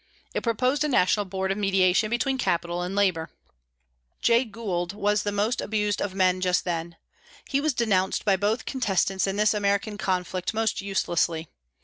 It proposed a national board of mediation between capital and labour. Jay Gould was the most abused of men just then. He was denounced by both contestants in this American conflict most uselessly.